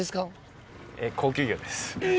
高級魚です。え！